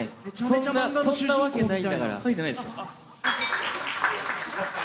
そんなわけないんだから。